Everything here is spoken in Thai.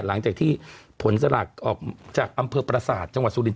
หลังจากที่ผลสลากออกจากอำเภอประสาทจังหวัดสุรินท